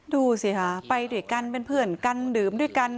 ดูสิค่ะไปด้วยกันเป็นเพื่อนกันดื่มด้วยกัน